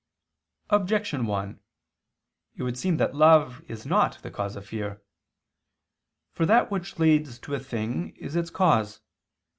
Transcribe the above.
Objection 1: It would seem that love is not the cause of fear. For that which leads to a thing is its cause.